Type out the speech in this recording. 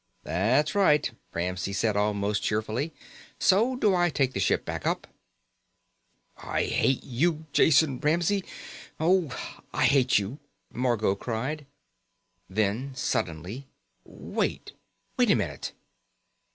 "That's right," Ramsey said almost cheerfully. "So do I take the ship back up?" "I hate you, Jason Ramsey. Oh, I hate you!" Margot cried. Then suddenly: "Wait! Wait a minute!